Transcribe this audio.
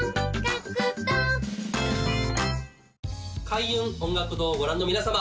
開運音楽堂をご覧の皆様